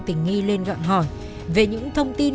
tình nghi lên gặng hỏi về những thông tin